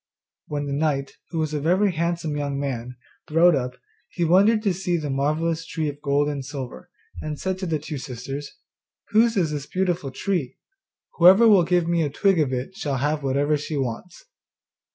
When the knight, who was a very handsome young man, rode up, he wondered to see the marvellous tree of gold and silver, and said to the two sisters, 'Whose is this beautiful tree? Whoever will give me a twig of it shall have whatever she wants.